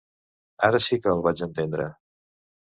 Ara sí que el vaig entendre.